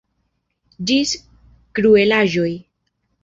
Ĝis kruelaĵoj.